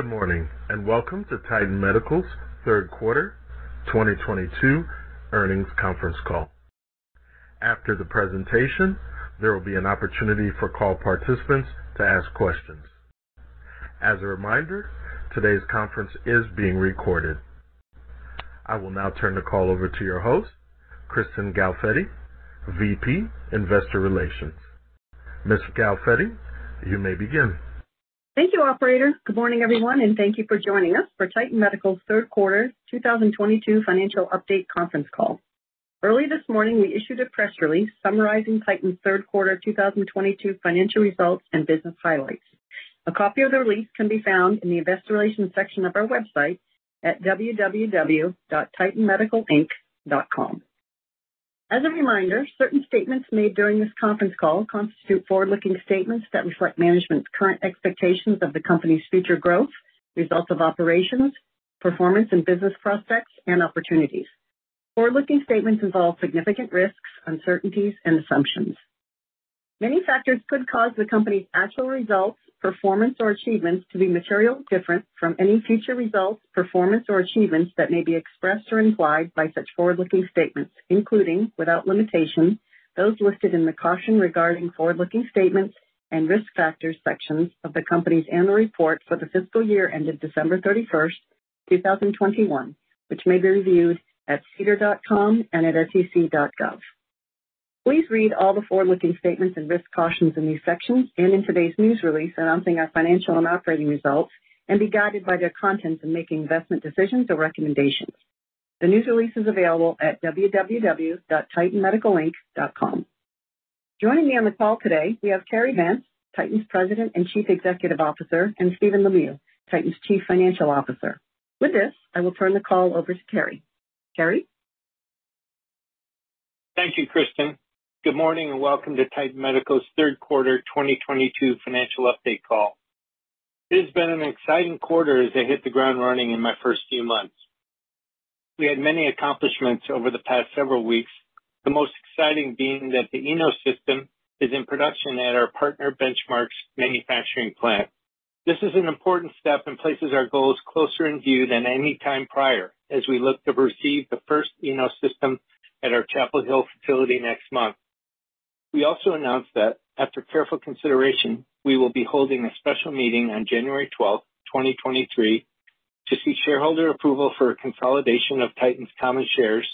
Good morning, and welcome to Titan Medical's third quarter 2022 earnings conference call. After the presentation, there will be an opportunity for call participants to ask questions. As a reminder, today's conference is being recorded. I will now turn the call over to your host, Kristen Galfetti, VP Investor Relations. Ms. Galfetti, you may begin. Thank you, operator. Good morning, everyone, and thank you for joining us for Titan Medical's third quarter 2022 financial update conference call. Early this morning, we issued a press release summarizing Titan's third quarter 2022 financial results and business highlights. A copy of the release can be found in the investor relations section of our website at www.titanmedicalinc.com. As a reminder, certain statements made during this conference call constitute forward-looking statements that reflect management's current expectations of the company's future growth, results of operations, performance and business prospects and opportunities. Forward-looking statements involve significant risks, uncertainties and assumptions. Many factors could cause the company's actual results, performance or achievements to be materially different from any future results, performance or achievements that may be expressed or implied by such forward-looking statements, including, without limitation, those listed in the Caution Regarding Forward-Looking Statements and Risk Factors sections of the company's annual report for the fiscal year ended December 31, 2021, which may be reviewed at sedar.com and at sec.gov. Please read all the forward-looking statements and risk cautions in these sections and in today's news release announcing our financial and operating results and be guided by their contents in making investment decisions or recommendations. The news release is available at www.titanmedicalinc.com. Joining me on the call today, we have Cary Vance, Titan's President and Chief Executive Officer, and Stephen Lemieux, Titan's Chief Financial Officer. With this, I will turn the call over to Cary. Cary? Thank you, Kristen. Good morning, and welcome to Titan Medical's third quarter 2022 financial update call. It has been an exciting quarter as I hit the ground running in my first few months. We had many accomplishments over the past several weeks, the most exciting being that the Enos system is in production at our partner Benchmark's manufacturing plant. This is an important step and places our goals closer in view than any time prior as we look to receive the first Enos system at our Chapel Hill facility next month. We also announced that after careful consideration, we will be holding a special meeting on January twelfth, 2023 to seek shareholder approval for a consolidation of Titan's common shares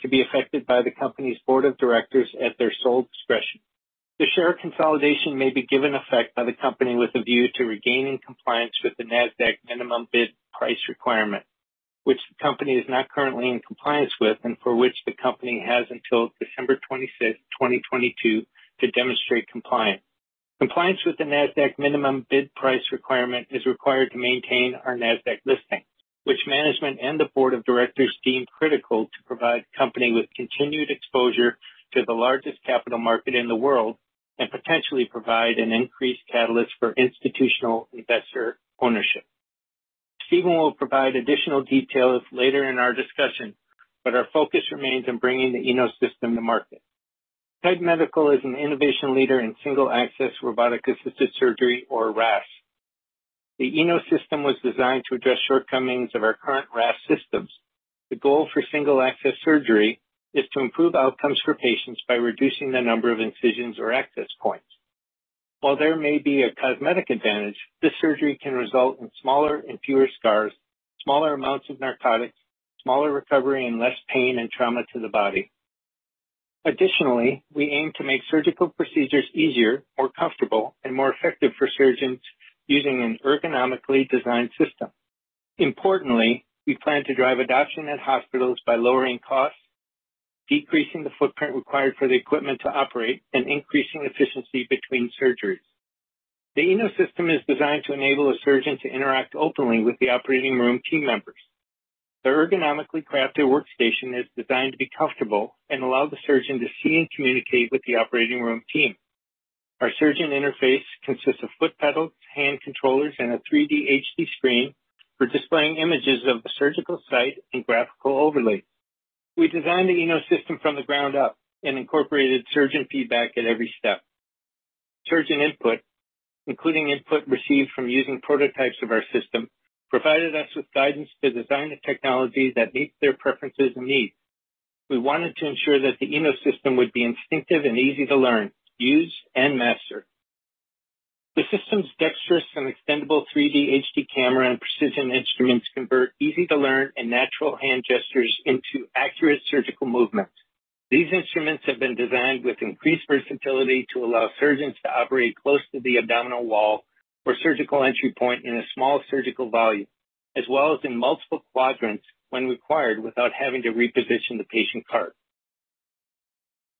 to be effected by the company's board of directors at their sole discretion. The share consolidation may be given effect by the company with a view to regaining compliance with the Nasdaq minimum bid price requirement, which the company is not currently in compliance with and for which the company has until December 25, 2022 to demonstrate compliance. Compliance with the Nasdaq minimum bid price requirement is required to maintain our Nasdaq listing, which management and the board of directors deem critical to provide company with continued exposure to the largest capital market in the world and potentially provide an increased catalyst for institutional investor ownership. Steven will provide additional details later in our discussion, but our focus remains on bringing the Enos system to market. Titan Medical is an innovation leader in single-access robotic-assisted surgery or RAS. The Enos system was designed to address shortcomings of our current RAS systems. The goal for single-access surgery is to improve outcomes for patients by reducing the number of incisions or access points. While there may be a cosmetic advantage, this surgery can result in smaller and fewer scars, smaller amounts of narcotics, smaller recovery and less pain and trauma to the body. Additionally, we aim to make surgical procedures easier, more comfortable and more effective for surgeons using an ergonomically designed system. Importantly, we plan to drive adoption at hospitals by lowering costs, decreasing the footprint required for the equipment to operate, and increasing efficiency between surgeries. The Enos system is designed to enable a surgeon to interact openly with the operating room team members. The ergonomically crafted workstation is designed to be comfortable and allow the surgeon to see and communicate with the operating room team. Our surgeon interface consists of foot pedals, hand controllers, and a 3D HD screen for displaying images of the surgical site and graphical overlay. We designed the Enos system from the ground up and incorporated surgeon feedback at every step. Surgeon input, including input received from using prototypes of our system, provided us with guidance to design a technology that meets their preferences and needs. We wanted to ensure that the Enos system would be instinctive and easy to learn, use and master. The system's dexterous and extendable 3D HD camera and precision instruments convert easy-to-learn and natural hand gestures into accurate surgical movements. These instruments have been designed with increased versatility to allow surgeons to operate close to the abdominal wall or surgical entry point in a small surgical volume, as well as in multiple quadrants when required, without having to reposition the patient cart.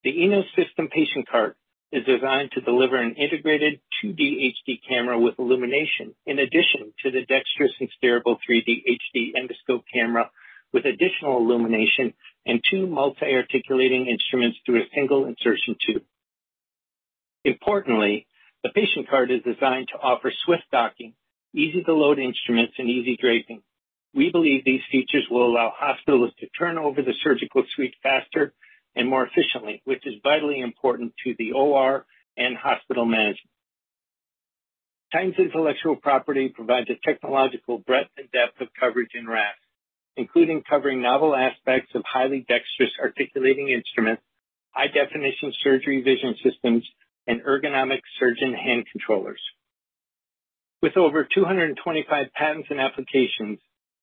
The Enos system patient cart is designed to deliver an integrated 2D HD camera with illumination in addition to the dexterous and steerable 3D HD endoscope camera with additional illumination and two multi-articulating instruments through a single insertion tube. Importantly, the patient cart is designed to offer swift docking, easy-to-load instruments and easy draping. We believe these features will allow hospitals to turn over the surgical suite faster and more efficiently, which is vitally important to the OR and hospital management. Titan's intellectual property provides a technological breadth and depth of coverage in RAS, including covering novel aspects of highly dexterous articulating instruments, high-definition surgery vision systems, and ergonomic surgeon hand controllers. With over 225 patents and applications,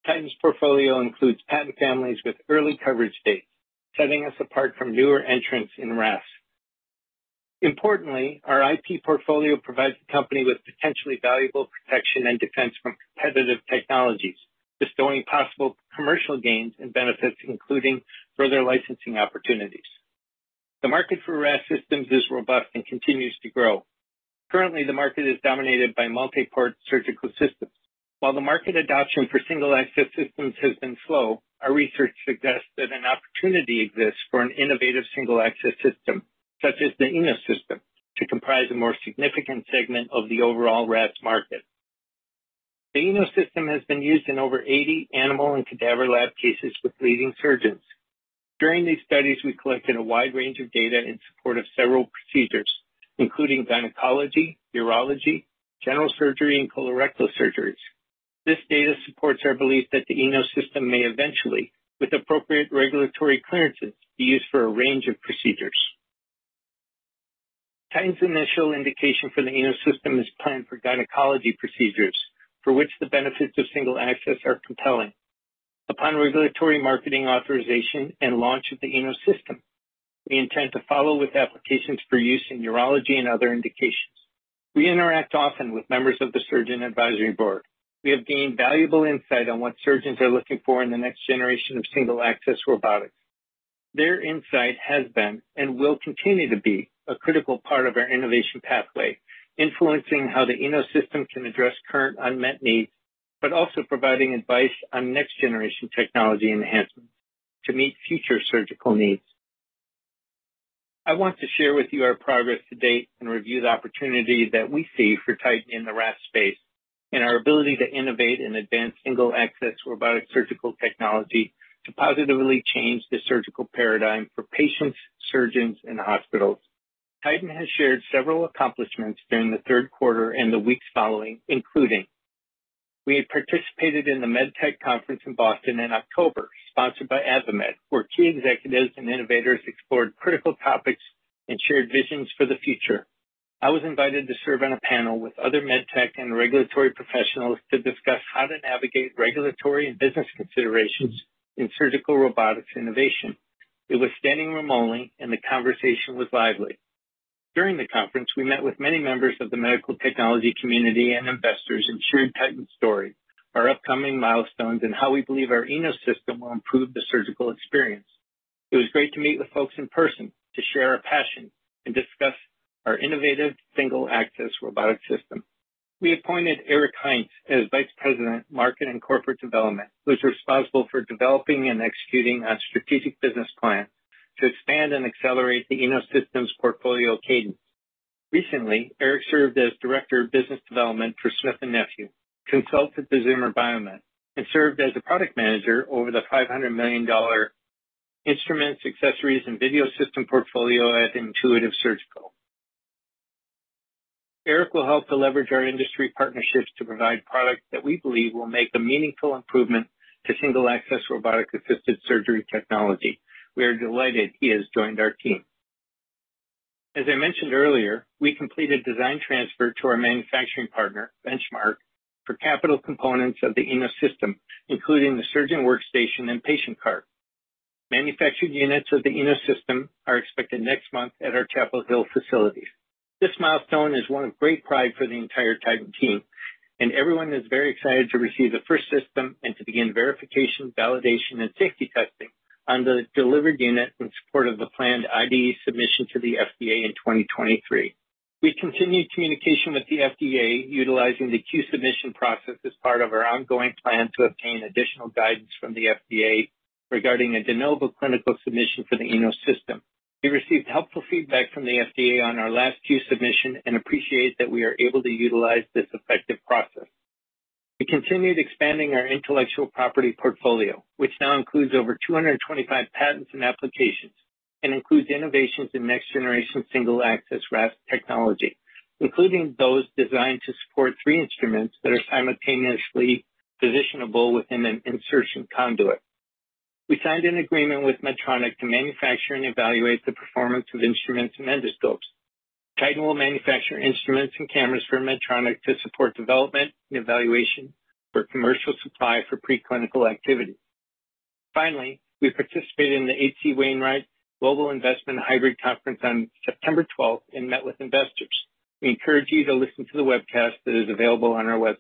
Titan's portfolio includes patent families with early coverage dates, setting us apart from newer entrants in RAS. Importantly, our IP portfolio provides the company with potentially valuable protection and defense from competitive technologies, bestowing possible commercial gains and benefits, including further licensing opportunities. The market for RAS systems is robust and continues to grow. Currently, the market is dominated by multi-port surgical systems. While the market adoption for single-access systems has been slow, our research suggests that an opportunity exists for an innovative single-access system, such as the Enos system, to comprise a more significant segment of the overall RAS market. The Enos system has been used in over 80 animal and cadaver lab cases with leading surgeons. During these studies, we collected a wide range of data in support of several procedures, including gynecology, urology, general surgery, and colorectal surgeries. This data supports our belief that the Enos system may eventually, with appropriate regulatory clearances, be used for a range of procedures. Titan's initial indication for the Enos system is planned for gynecology procedures, for which the benefits of single-access are compelling. Upon regulatory marketing authorization and launch of the Enos system, we intend to follow with applications for use in urology and other indications. We interact often with members of the surgeon advisory board. We have gained valuable insight on what surgeons are looking for in the next generation of single-access robotics. Their insight has been, and will continue to be, a critical part of our innovation pathway, influencing how the Enos system can address current unmet needs, but also providing advice on next-generation technology enhancements to meet future surgical needs. I want to share with you our progress to date and review the opportunity that we see for Titan in the RAS space and our ability to innovate and advance single-access robotic surgical technology to positively change the surgical paradigm for patients, surgeons, and hospitals. Titan has shared several accomplishments during the third quarter and the weeks following, including we participated in the MedTech Conference in Boston in October, sponsored by AdvaMed, where key executives and innovators explored critical topics and shared visions for the future. I was invited to serve on a panel with other MedTech and regulatory professionals to discuss how to navigate regulatory and business considerations in surgical robotics innovation. It was standing room only, and the conversation was lively. During the conference, we met with many members of the medical technology community and investors and shared Titan's story, our upcoming milestones, and how we believe our Enos system will improve the surgical experience. It was great to meet with folks in person to share our passion and discuss our innovative single-access robotic system. We appointed Eric Heinz as Vice President, Market and Corporate Development, who is responsible for developing and executing a strategic business plan to expand and accelerate the Enos systems portfolio cadence. Recently, Eric served as Director of Business Development for Smith & Nephew, consulted with Zimmer Biomet, and served as a product manager over the $500 million instruments, accessories, and video system portfolio at Intuitive Surgical. Eric will help to leverage our industry partnerships to provide products that we believe will make a meaningful improvement to single-access robotic-assisted surgery technology. We are delighted he has joined our team. As I mentioned earlier, we completed design transfer to our manufacturing partner, Benchmark, for capital components of the Enos system, including the surgeon workstation and patient cart. Manufactured units of the Enos system are expected next month at our Chapel Hill facilities. This milestone is one of great pride for the entire Titan team, and everyone is very excited to receive the first system and to begin verification, validation, and safety testing on the delivered unit in support of the planned IDE submission to the FDA in 2023. We continued communication with the FDA utilizing the Q-Submission process as part of our ongoing plan to obtain additional guidance from the FDA regarding a De Novo clinical submission for the Enos system. We received helpful feedback from the FDA on our last Q-Submission and appreciate that we are able to utilize this effective process. We continued expanding our intellectual property portfolio, which now includes over 225 patents and applications and includes innovations in next-generation single-access RAS technology, including those designed to support three instruments that are simultaneously positionable within an insertion conduit. We signed an agreement with Medtronic to manufacture and evaluate the performance of instruments and endoscopes. Titan will manufacture instruments and cameras for Medtronic to support development and evaluation for commercial supply for preclinical activity. Finally, we participated in the H.C. Wainwright Global Investment Hybrid Conference on September twelfth and met with investors. We encourage you to listen to the webcast that is available on our website.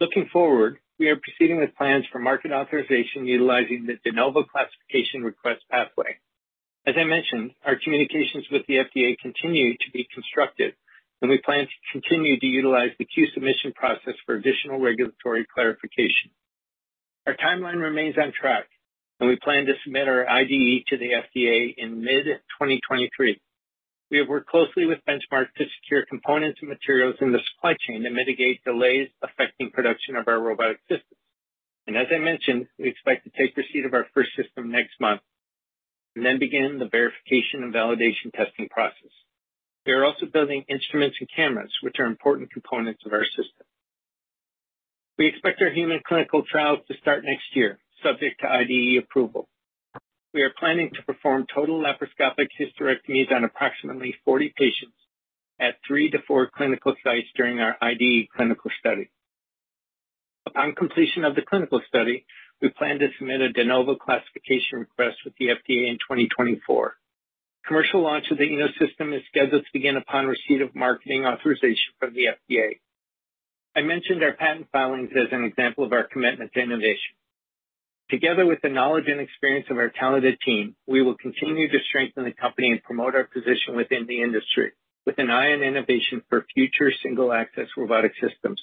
Looking forward, we are proceeding with plans for market authorization utilizing the De Novo classification request pathway. As I mentioned, our communications with the FDA continue to be constructive, and we plan to continue to utilize the Q-Submission process for additional regulatory clarification. Our timeline remains on track, and we plan to submit our IDE to the FDA in mid-2023. We have worked closely with Benchmark to secure components and materials in the supply chain to mitigate delays affecting production of our robotic systems. As I mentioned, we expect to take receipt of our first system next month and then begin the verification and validation testing process. We are also building instruments and cameras, which are important components of our system. We expect our human clinical trials to start next year, subject to IDE approval. We are planning to perform total laparoscopic hysterectomies on approximately 40 patients at 3-4 clinical sites during our IDE clinical study. Upon completion of the clinical study, we plan to submit a De Novo classification request with the FDA in 2024. Commercial launch of the Enos system is scheduled to begin upon receipt of marketing authorization from the FDA. I mentioned our patent filings as an example of our commitment to innovation. Together with the knowledge and experience of our talented team, we will continue to strengthen the company and promote our position within the industry with an eye on innovation for future single-access robotic systems.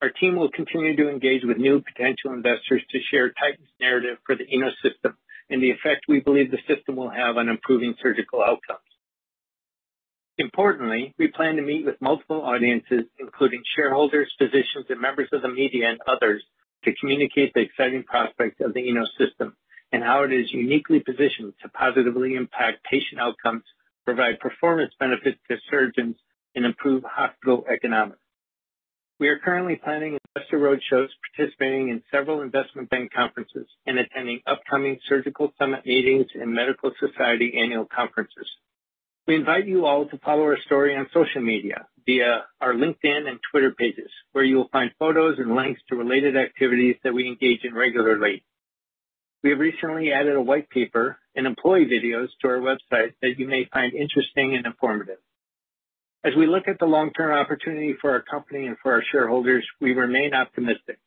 Our team will continue to engage with new potential investors to share Titan's narrative for the Enos system and the effect we believe the system will have on improving surgical outcomes. Importantly, we plan to meet with multiple audiences, including shareholders, physicians, and members of the media and others, to communicate the exciting prospects of the Enos system and how it is uniquely positioned to positively impact patient outcomes, provide performance benefits to surgeons, and improve hospital economics. We are currently planning investor roadshows, participating in several investment bank conferences, and attending upcoming surgical summit meetings and medical society annual conferences. We invite you all to follow our story on social media via our LinkedIn and Twitter pages, where you will find photos and links to related activities that we engage in regularly. We have recently added a white paper and employee videos to our website that you may find interesting and informative. As we look at the long-term opportunity for our company and for our shareholders, we remain optimistic.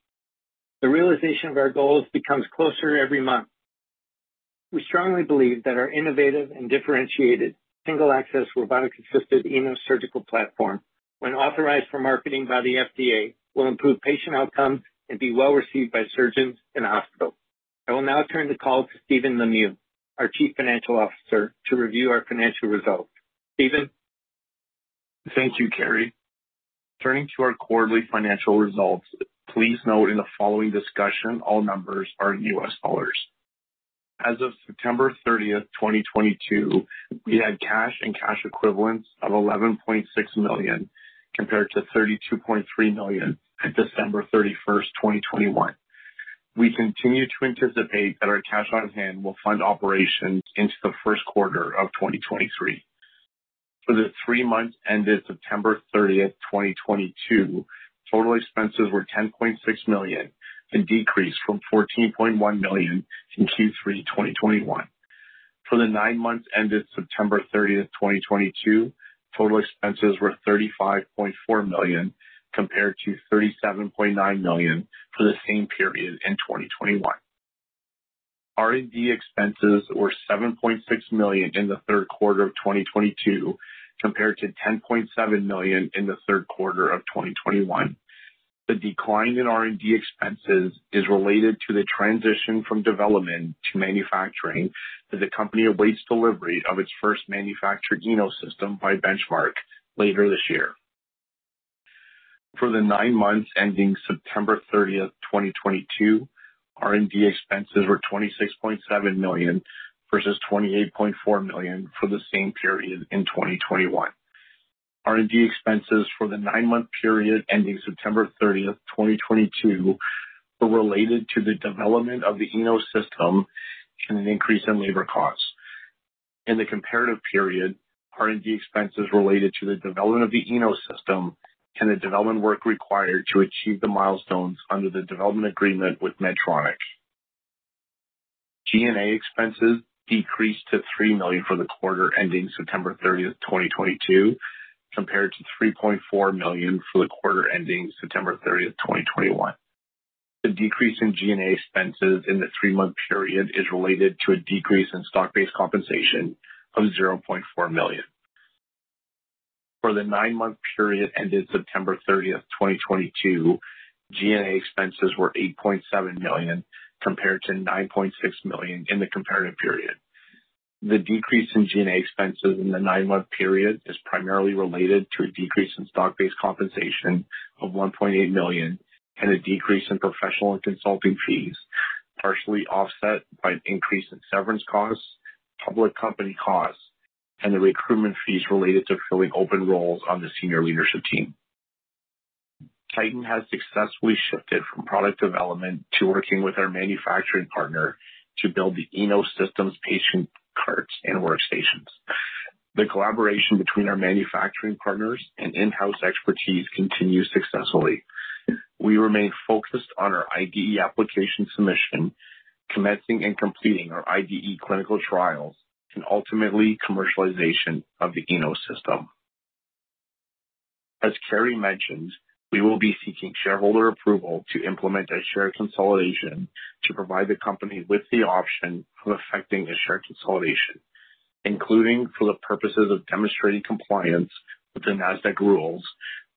The realization of our goals becomes closer every month. We strongly believe that our innovative and differentiated single-access robotic-assisted Enos Surgical platform, when authorized for marketing by the FDA, will improve patient outcomes and be well-received by surgeons and hospitals. I will now turn the call to Stephen Lemieux, our Chief Financial Officer, to review our financial results. Stephen? Thank you, Cary. Turning to our quarterly financial results. Please note in the following discussion, all numbers are in US dollars. As of September 30, 2022, we had cash and cash equivalents of $11.6 million compared to $32.3 million at December 31, 2021. We continue to anticipate that our cash on hand will fund operations into the first quarter of 2023. For the three months ended September 30, 2022, total expenses were $10.6 million, a decrease from $14.1 million in Q3 2021. For the nine months ended September 30, 2022, total expenses were $35.4 million compared to $37.9 million for the same period in 2021. R&D expenses were $7.6 million in the third quarter of 2022, compared to $10.7 million in the third quarter of 2021. The decline in R&D expenses is related to the transition from development to manufacturing as the company awaits delivery of its first manufactured Enos system by Benchmark later this year. For the nine months ending September 30, 2022, R&D expenses were $26.7 million versus $28.4 million for the same period in 2021. R&D expenses for the nine-month period ending September 30, 2022 were related to the development of the Enos system and an increase in labor costs. In the comparative period, R&D expenses related to the development of the Enos system and the development work required to achieve the milestones under the development agreement with Medtronic. G&A expenses decreased to $3 million for the quarter ending September 30, 2022, compared to $3.4 million for the quarter ending September 30, 2021. The decrease in G&A expenses in the three-month period is related to a decrease in stock-based compensation of $0.4 million. For the nine-month period ended September 30, 2022, G&A expenses were $8.7 million compared to $9.6 million in the comparative period. The decrease in G&A expenses in the nine-month period is primarily related to a decrease in stock-based compensation of $1.8 million and a decrease in professional and consulting fees, partially offset by an increase in severance costs, public company costs, and the recruitment fees related to filling open roles on the senior leadership team. Titan has successfully shifted from product development to working with our manufacturing partner to build the Enos systems patient carts and workstations. The collaboration between our manufacturing partners and in-house expertise continue successfully. We remain focused on our IDE application submission, commencing and completing our IDE clinical trials, and ultimately commercialization of the Enos system. As Cary mentioned, we will be seeking shareholder approval to implement a share consolidation to provide the company with the option of effecting a share consolidation. Including for the purposes of demonstrating compliance with the Nasdaq rules,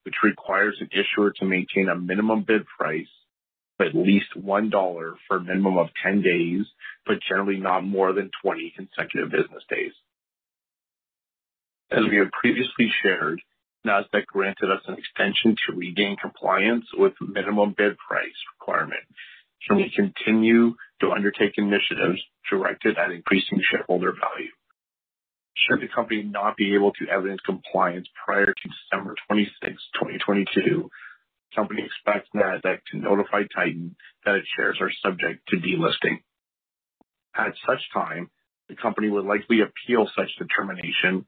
which requires an issuer to maintain a minimum bid price of at least $1 for a minimum of 10 days, but generally not more than 20 consecutive business days. As we have previously shared, Nasdaq granted us an extension to regain compliance with minimum bid price requirement, so we continue to undertake initiatives directed at increasing shareholder value. Should the company not be able to evidence compliance prior to December 26, 2022, the company expects Nasdaq to notify Titan that its shares are subject to delisting. At such time, the company would likely appeal such determination and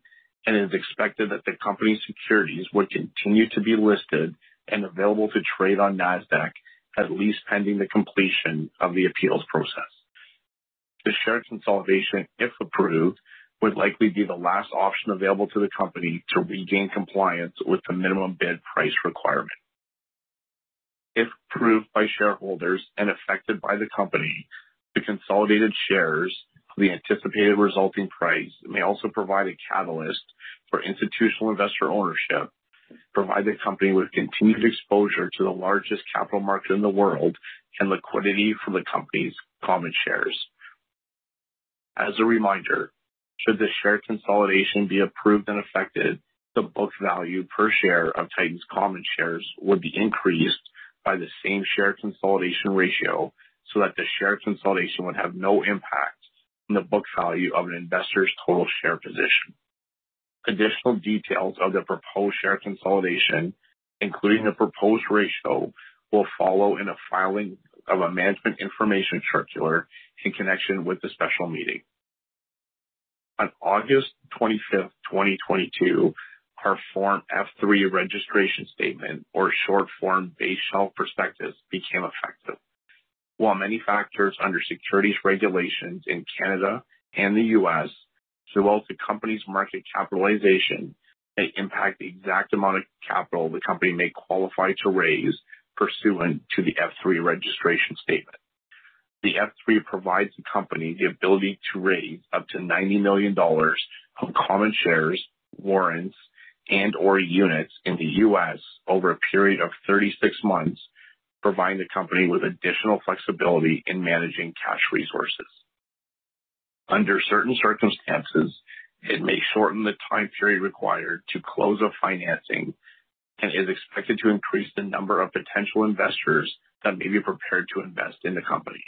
is expected that the company's securities would continue to be listed and available to trade on Nasdaq at least pending the completion of the appeals process. The share consolidation, if approved, would likely be the last option available to the company to regain compliance with the minimum bid price requirement. If approved by shareholders and effected by the company, the consolidated shares of the anticipated resulting price may also provide a catalyst for institutional investor ownership, provide the company with continued exposure to the largest capital market in the world, and liquidity for the company's common shares. As a reminder, should the share consolidation be approved and effected, the book value per share of Titan's common shares would be increased by the same share consolidation ratio so that the share consolidation would have no impact on the book value of an investor's total share position. Additional details of the proposed share consolidation, including the proposed ratio, will follow in a filing of a management information circular in connection with the special meeting. On August 25, 2022, our Form F-3 Registration Statement, or Short Form Base Shelf Prospectus, became effective. While many factors under securities regulations in Canada and the U.S., as well as the company's market capitalization may impact the exact amount of capital the company may qualify to raise pursuant to the F-3 Registration Statement. The F-3 provides the company the ability to raise up to $90 million of common shares, warrants, and/or units in the U.S. over a period of 36 months, providing the company with additional flexibility in managing cash resources. Under certain circumstances, it may shorten the time period required to close a financing and is expected to increase the number of potential investors that may be prepared to invest in the company.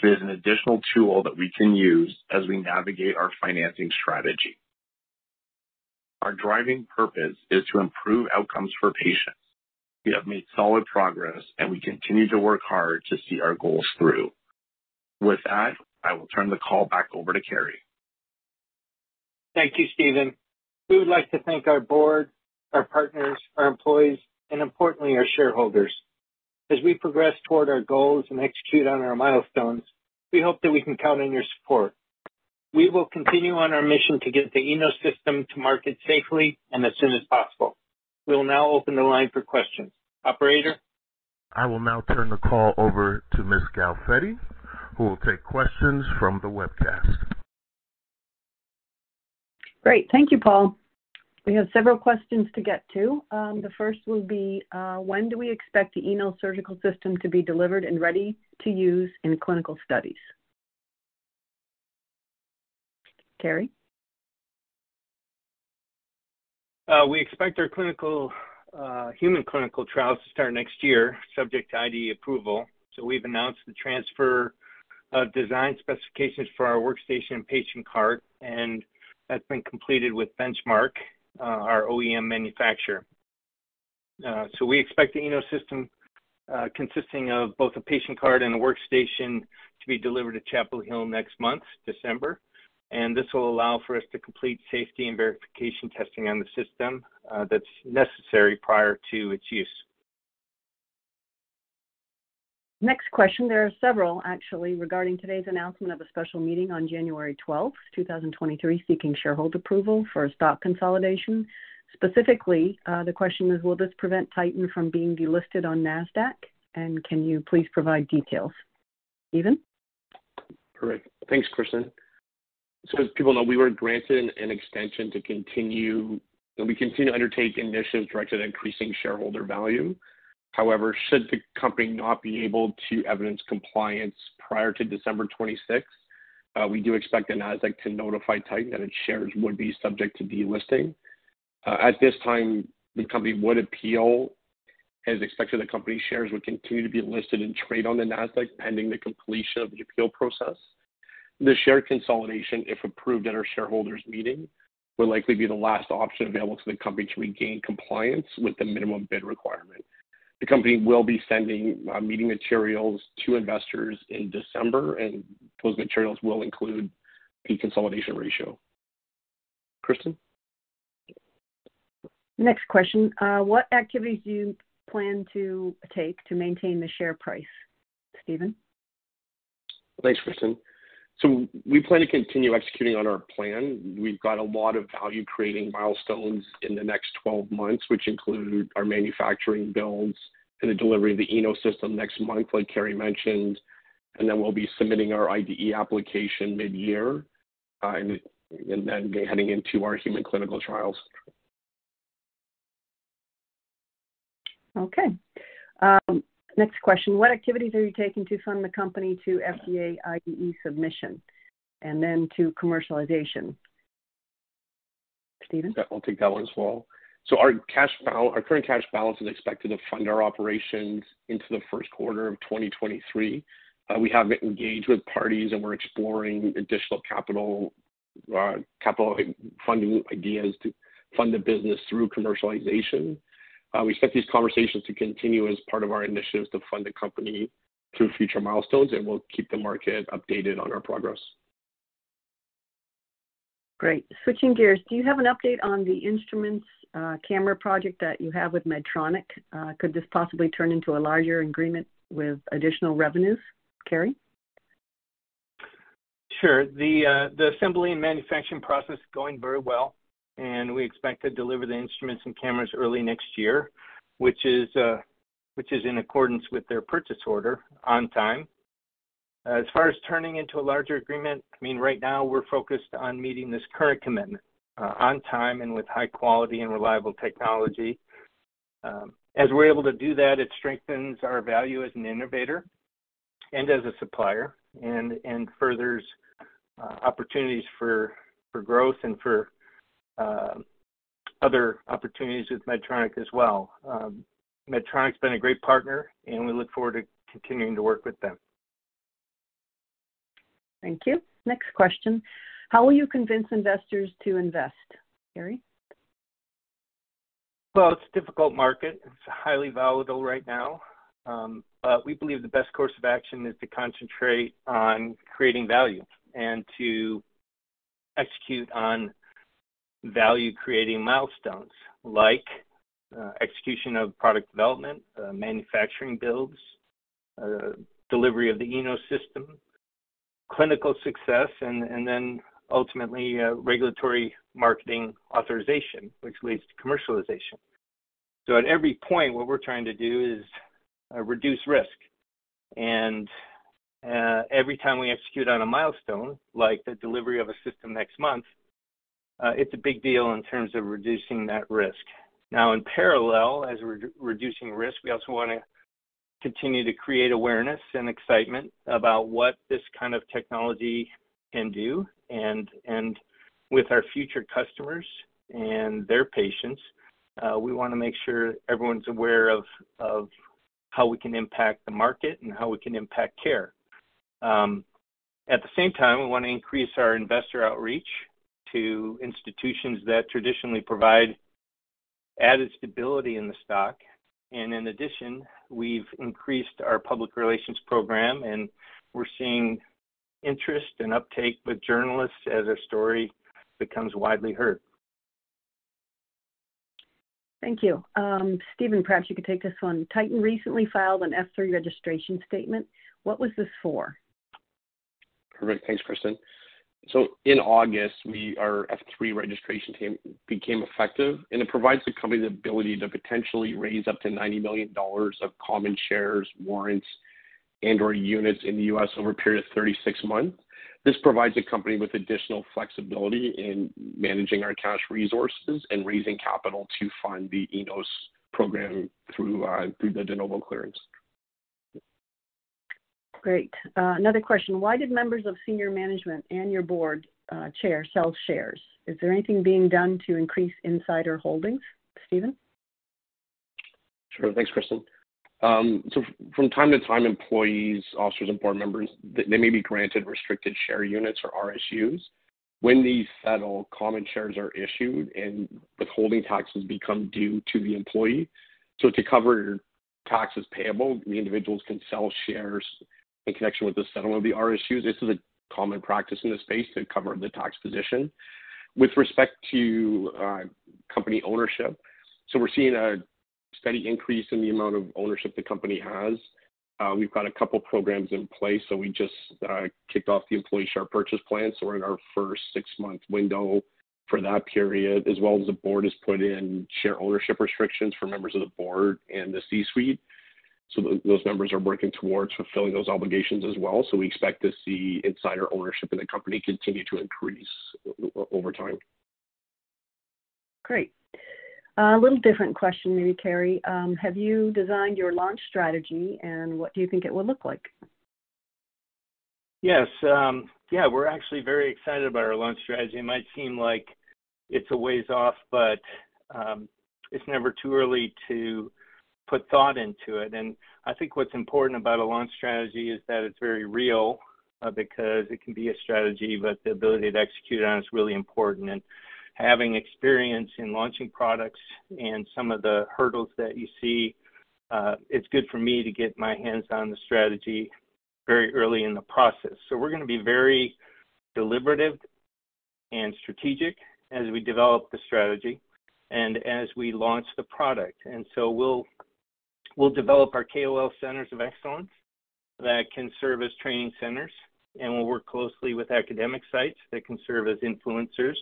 It is an additional tool that we can use as we navigate our financing strategy. Our driving purpose is to improve outcomes for patients. We have made solid progress, and we continue to work hard to see our goals through. With that, I will turn the call back over to Cary. Thank you, Stephen. We would like to thank our board, our partners, our employees, and importantly, our shareholders. As we progress toward our goals and execute on our milestones, we hope that we can count on your support. We will continue on our mission to get the Enos system to market safely and as soon as possible. We will now open the line for questions. Operator? I will now turn the call over to Ms. Galfetti, who will take questions from the webcast. Great. Thank you, Paul. We have several questions to get to. The first will be, when do we expect the Enos Surgical System to be delivered and ready to use in clinical studies? Cary? We expect our human clinical trials to start next year, subject to IDE approval. We've announced the transfer of design specifications for our workstation patient cart, and that's been completed with Benchmark, our OEM manufacturer. We expect the Enos system, consisting of both a patient cart and a workstation to be delivered to Chapel Hill next month, December. This will allow for us to complete safety and verification testing on the system, that's necessary prior to its use. Next question. There are several actually regarding today's announcement of a special meeting on January 12, 2023, seeking shareholder approval for a stock consolidation. Specifically, the question is, will this prevent Titan from being delisted on Nasdaq? Can you please provide details? Stephen? Great. Thanks, Kristen. As people know, we were granted an extension to continue and we continue to undertake initiatives directed at increasing shareholder value. However, should the company not be able to evidence compliance prior to December twenty-sixth, we do expect the Nasdaq to notify Titan that its shares would be subject to delisting. At this time, the company would appeal. It is expected the company's shares would continue to be listed in trade on the Nasdaq pending the completion of the appeal process. The share consolidation, if approved at our shareholders' meeting, will likely be the last option available to the company to regain compliance with the minimum bid requirement. The company will be sending meeting materials to investors in December, and those materials will include the consolidation ratio. Kristen? Next question. What activities do you plan to take to maintain the share price? Stephen? Thanks, Kristen. We plan to continue executing on our plan. We've got a lot of value-creating milestones in the next 12 months, which include our manufacturing builds in the delivery of the Enos system next month, like Cary mentioned, and then we'll be submitting our IDE application mid-year, and then heading into our human clinical trials. Okay. Next question. What activities are you taking to fund the company to FDA IDE submission and then to commercialization? Stephen? Yeah, I'll take that one as well. Our current cash balance is expected to fund our operations into the first quarter of 2023. We have engaged with parties, and we're exploring additional capital funding ideas to fund the business through commercialization. We expect these conversations to continue as part of our initiatives to fund the company through future milestones, and we'll keep the market updated on our progress. Great. Switching gears, do you have an update on the instruments, camera project that you have with Medtronic? Could this possibly turn into a larger agreement with additional revenues? Cary? Sure. The assembly and manufacturing process is going very well, and we expect to deliver the instruments and cameras early next year, which is in accordance with their purchase order on time. As far as turning into a larger agreement, I mean, right now we're focused on meeting this current commitment on time and with high quality and reliable technology. As we're able to do that, it strengthens our value as an innovator and as a supplier and furthers opportunities for growth and for other opportunities with Medtronic as well. Medtronic's been a great partner, and we look forward to continuing to work with them. Thank you. Next question. How will you convince investors to invest? Cary? Well, it's a difficult market. It's highly volatile right now. We believe the best course of action is to concentrate on creating value and to execute on value-creating milestones like execution of product development, manufacturing builds, delivery of the Enos system, clinical success, and then ultimately, regulatory marketing authorization, which leads to commercialization. At every point, what we're trying to do is reduce risk. Every time we execute on a milestone, like the delivery of a system next month, it's a big deal in terms of reducing that risk. Now, in parallel, as we're re-reducing risk, we also wanna continue to create awareness and excitement about what this kind of technology can do, and with our future customers and their patients, we wanna make sure everyone's aware of how we can impact the market and how we can impact care. At the same time, we wanna increase our investor outreach to institutions that traditionally provide added stability in the stock. In addition, we've increased our public relations program, and we're seeing interest and uptake with journalists as our story becomes widely heard. Thank you. Stephen, perhaps you could take this one. Titan recently filed an F-3 registration statement. What was this for? Perfect. Thanks, Kristen. In August, our Form F-3 registration statement became effective, and it provides the company the ability to potentially raise up to $90 million of common shares, warrants, and/or units in the U.S. over a period of 36 months. This provides the company with additional flexibility in managing our cash resources and raising capital to fund the Enos program through the De Novo clearance. Great. Another question. Why did members of senior management and your board chair sell shares? Is there anything being done to increase insider holdings? Stephen? Sure. Thanks, Kristen. From time to time, employees, officers, and board members, they may be granted restricted share units or RSUs when these settled common shares are issued and withholding taxes become due to the employee. To cover taxes payable, the individuals can sell shares in connection with the settlement of the RSUs. This is a common practice in this space to cover the tax position. With respect to company ownership, we're seeing a steady increase in the amount of ownership the company has. We've got a couple programs in place. We just kicked off the employee share purchase plan, we're in our first six-month window for that period, as well as the board has put in share ownership restrictions for members of the board and the C-suite. Those members are working towards fulfilling those obligations as well. We expect to see insider ownership in the company continue to increase over time. Great. A little different question maybe, Cary. Have you designed your launch strategy, and what do you think it will look like? Yes. Yeah, we're actually very excited about our launch strategy. It might seem like it's a ways off, but it's never too early to put thought into it. I think what's important about a launch strategy is that it's very real, because it can be a strategy, but the ability to execute on it is really important. Having experience in launching products and some of the hurdles that you see, it's good for me to get my hands on the strategy very early in the process. We're gonna be very deliberative and strategic as we develop the strategy and as we launch the product. We'll develop our KOL centers of excellence that can serve as training centers, and we'll work closely with academic sites that can serve as influencers.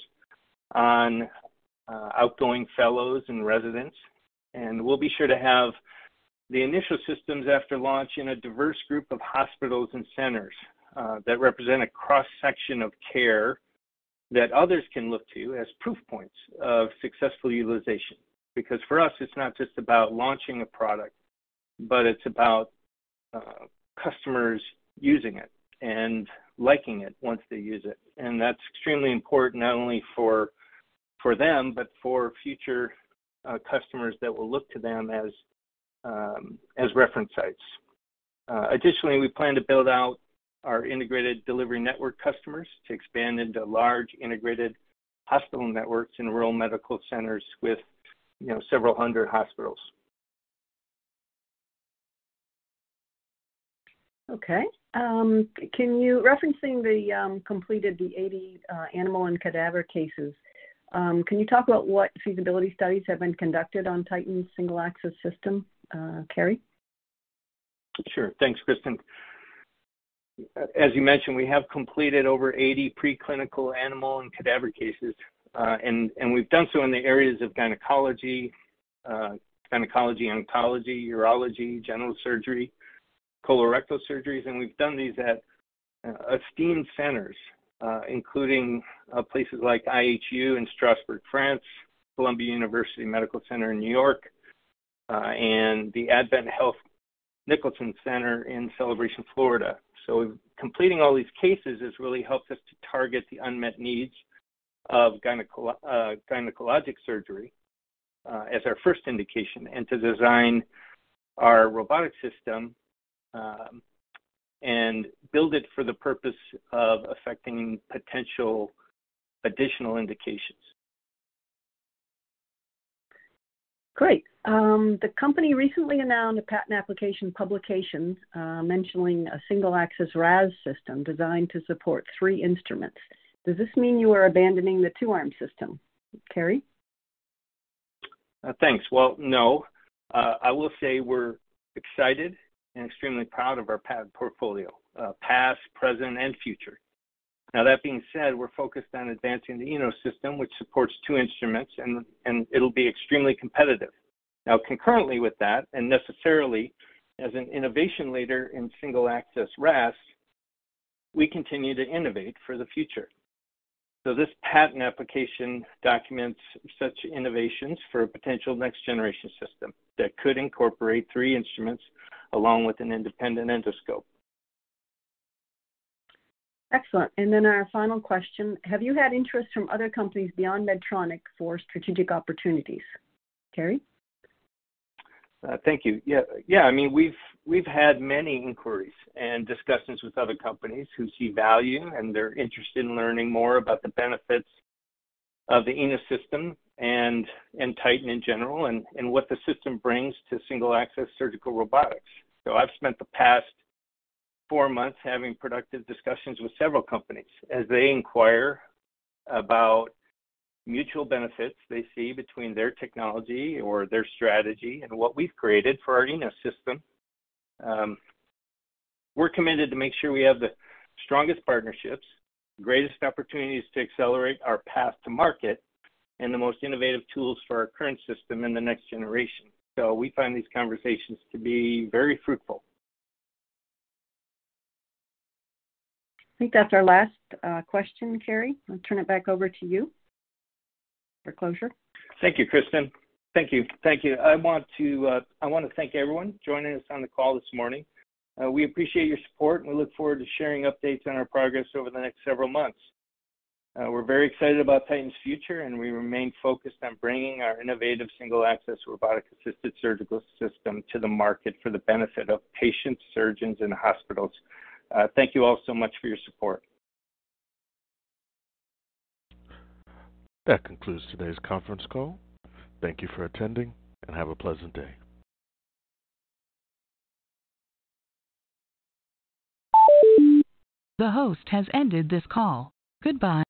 On outgoing fellows and residents. We'll be sure to have the initial systems after launch in a diverse group of hospitals and centers that represent a cross-section of care that others can look to as proof points of successful utilization. Because for us, it's not just about launching a product, but it's about customers using it and liking it once they use it. That's extremely important not only for them but for future customers that will look to them as reference sites. Additionally, we plan to build out our integrated delivery network customers to expand into large integrated hospital networks and rural medical centers with, you know, several hundred hospitals. Referencing the completed 80 animal and cadaver cases, can you talk about what feasibility studies have been conducted on Titan's single-access system, Cary? Sure. Thanks, Kristen. As you mentioned, we have completed over 80 preclinical animal and cadaver cases. We've done so in the areas of gynecology oncology, urology, general surgery, colorectal surgeries. We've done these at esteemed centers, including places like IHU Strasbourg in France, Columbia University Irving Medical Center in New York, and the AdventHealth Nicholson Center in Celebration, Florida. Completing all these cases has really helped us to target the unmet needs of gynecologic surgery as our first indication, and to design our robotic system and build it for the purpose of affecting potential additional indications. Great. The company recently announced a patent application publication, mentioning a single-access RAS system designed to support three instruments. Does this mean you are abandoning the two-arm system? Cary? Thanks. Well, no. I will say we're excited and extremely proud of our patent portfolio, past, present, and future. Now, that being said, we're focused on advancing the Enos system, which supports two instruments, and it'll be extremely competitive. Now, concurrently with that, and necessarily as an innovation leader in single-access RAS, we continue to innovate for the future. This patent application documents such innovations for a potential next-generation system that could incorporate three instruments along with an independent endoscope. Excellent. Our final question: Have you had interest from other companies beyond Medtronic for strategic opportunities? Cary? Thank you. Yeah. Yeah, I mean, we've had many inquiries and discussions with other companies who see value, and they're interested in learning more about the benefits of the Enos system and Titan in general and what the system brings to single-access surgical robotics. I've spent the past four months having productive discussions with several companies as they inquire about mutual benefits they see between their technology or their strategy and what we've created for our Enos system. We're committed to make sure we have the strongest partnerships, greatest opportunities to accelerate our path to market, and the most innovative tools for our current system in the next generation. We find these conversations to be very fruitful. I think that's our last question, Cary. I'll turn it back over to you for closure. Thank you, Kristen. Thank you. I wanna thank everyone joining us on the call this morning. We appreciate your support, and we look forward to sharing updates on our progress over the next several months. We're very excited about Titan's future, and we remain focused on bringing our innovative single-access robotic-assisted surgical system to the market for the benefit of patients, surgeons, and hospitals. Thank you all so much for your support. That concludes today's conference call. Thank you for attending, and have a pleasant day. The host has ended this call. Goodbye.